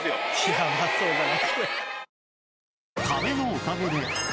ヤバそうだな。